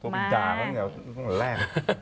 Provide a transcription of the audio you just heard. โทรไปจากแล้วต้องแร่ง